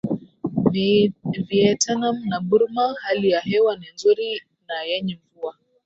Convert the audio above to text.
Vietnam na Burma hali ya hewa ni nzuri na yenye mvua